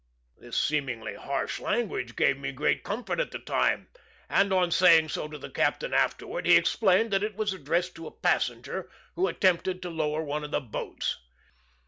This seemingly harsh language gave me great comfort at the time, and on saying so to the captain afterward, he explained that it was addressed to a passenger who attempted to lower one of the boats.